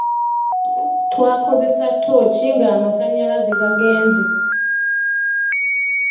Twakozesa ttocci nga amasanyalaze gagenze.